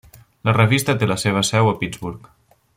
La revista té la seva seu a Pittsburgh.